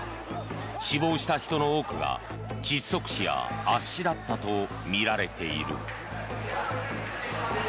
死亡した人の多くが窒息死や圧死だったとみられている。